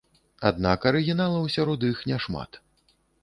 Аднак арыгіналаў сярод іх няшмат.